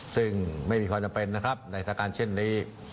ซึ่งไม่มีความจำเป็นนะครับในสถานการณ์เช่นนี้